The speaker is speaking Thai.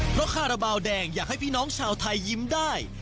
เพราะคาราบาลแดงอยากให้พี่น้องชาวไทยยิ้มได้